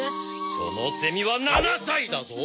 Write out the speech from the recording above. そのセミは７歳だぞ！